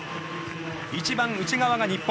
一番内側が日本。